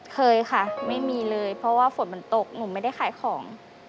เคยค่ะไม่มีเลยเพราะว่าฝนมันตกหนูไม่ได้ขายของ